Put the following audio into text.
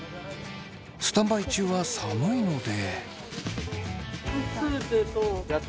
スタンバイ中は寒いので。